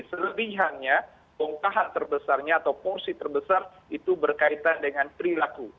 selebihannya bongkahan terbesarnya atau porsi terbesar itu berkaitan dengan perilaku